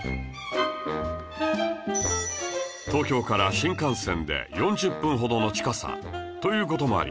東京から新幹線で４０分ほどの近さという事もあり